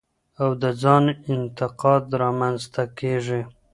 او د ځان انتقاد رامنځ ته کېږي.